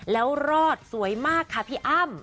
แล้วรอดสวยมากค่ะพี่อ้ำ